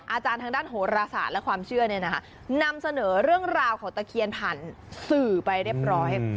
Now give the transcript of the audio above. ทางด้านโหรศาสตร์และความเชื่อนำเสนอเรื่องราวของตะเคียนผ่านสื่อไปเรียบร้อย